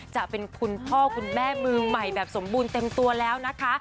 จะเป็นคุณพ่อคุณแม่มือใหม่แบบสมบูรณ์เต็มตัวแล้วนะคะ